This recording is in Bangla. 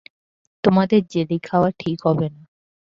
তোমাদের জেলি খাওয়া ঠিক হবে না।